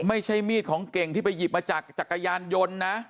ไม่ใช่มีดของเก่งที่ไปหยิบมาจากจักรยานยนต์นะ